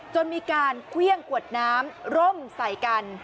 จนมีการเครื่องกวดน้ำร่มใส่กัน